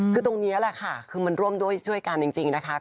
คือตรงนี้แหละค่ะคือมันร่วมด้วยช่วยกันจริงนะคะ